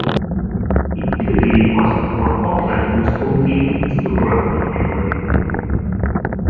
It typically hosts one Auckland Blues home game in Super Rugby annually.